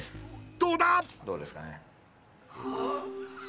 どうだ！？